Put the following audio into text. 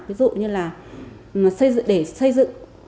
ví dụ như là để xây dựng